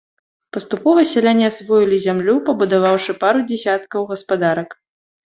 Паступова, сяляне асвоілі зямлю, пабудаваўшы пару дзясяткаў гаспадарак.